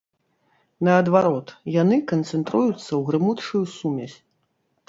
Наадварот, яны канцэнтруюцца ў грымучую сумесь.